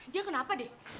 dia kenapa deh